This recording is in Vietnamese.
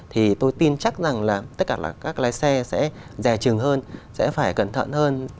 thì tôi tin chắc rằng là tất cả là các lái xe sẽ rè trừng hơn sẽ phải cẩn thận hơn